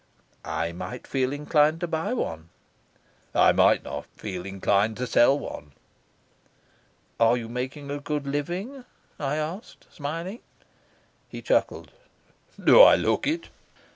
"I might feel inclined to buy one." "I might not feel inclined to sell one." "Are you making a good living?" I asked, smiling. He chuckled. "Do I look it?"